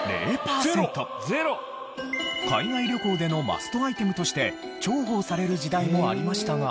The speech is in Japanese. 海外旅行でのマストアイテムとして重宝される時代もありましたが。